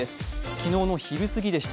昨日の昼過ぎでした。